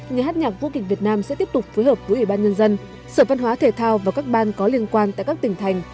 nhà hát nhạc vũ kịch việt nam sẽ tiếp tục phối hợp với ủy ban nhân dân sở văn hóa thể thao và các ban có liên quan tại các tỉnh thành